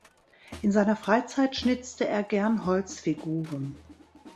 In seiner Freizeit schnitzte er gern Holzfiguren.